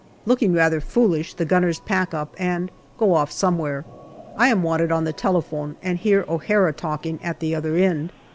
Looking rather foolish, the gunners pack up and go off somewhere. I am wanted on the telephone, and hear O'Hara talking at the other end.